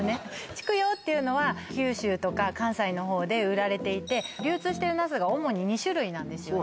筑陽っていうのは九州とか関西のほうで売られていて流通してるナスが主に２種類なんですよね